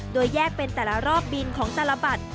โดยแยกเป็นแต่ละรอบบินของแต่ละบัตร